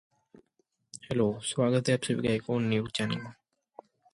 Silk is, however, tougher than either.